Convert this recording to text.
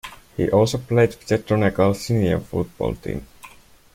He also played with the Donegal Senior football team.